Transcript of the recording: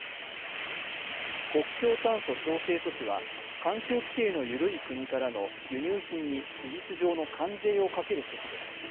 国境炭素調整措置は、環境規制の緩い国からの輸入品に事実上の関税をかける措置です。